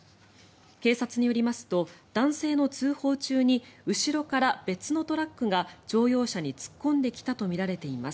警察によりますと男性の通報中に後ろから別のトラックが乗用車に突っ込んできたとみられています。